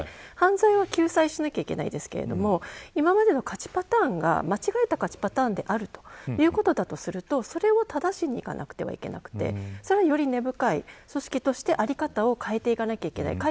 犯罪は救済しなければいけませんが今までの価値パターンが間違えた勝ちパターンであるということだとするとそれを正しにいかなくてはいけなくてより根深い組織として在り方を変えていかなければいけない。